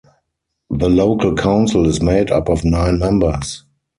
The local council is made up of nine members.